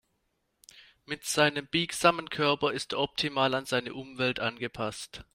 Mit seinem biegsamen Körper ist er optimal an seine Umwelt angepasst.